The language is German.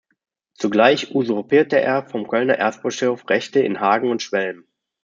Zugleich usurpierte er vom Kölner Erzbischof Rechte in Hagen und Schwelm.